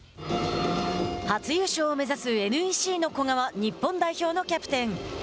初優勝を目指すＮＥＣの古賀は日本代表のキャプテン。